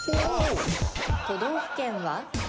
都道府県は？